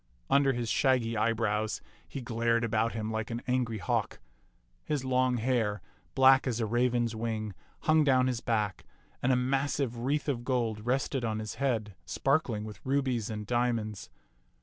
Under his shaggy eyebrows he glared about him like an angry hawk. His long hair, black as a raven's wing, hung down his back, and a massive wreath of gold rested on his head, sparkling with rubies and diamonds.